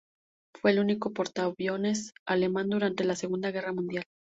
Fue el único portaaviones alemán durante la Segunda Guerra Mundial.